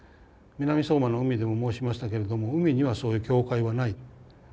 南相馬の海でも申しましたけれども海にはそういう境界はない。